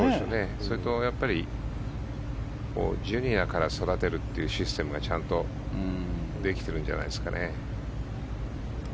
それと、ジュニアから育てるっていうシステムがちゃんとできてるんじゃないですかね。